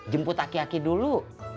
jemput aki aki dulu